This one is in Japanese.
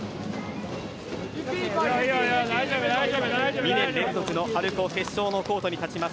２年連続の春高決勝のコートに立ちます